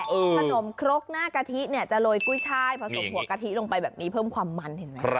ขนมครกหน้ากะทิจะโรยกุ้ยชายผสมถั่วกะทิลงไปแบบนี้เพิ่มความมัน